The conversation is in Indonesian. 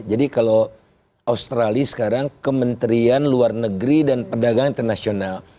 jadi kalau australia sekarang kementerian luar negeri dan perdagangan internasional